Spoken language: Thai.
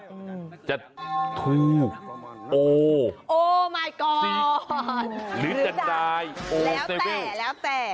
อืมจะทูบโอ้โอ้มายกอร์ดหรือจะดายแล้วแต่แล้วแต่